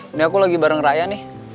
ini aku lagi bareng raya nih